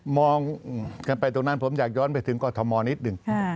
มองกันไปตรงนั้นผมอยากย้อนไปถึงกว่าธรรมณ์นิดนึงค่ะ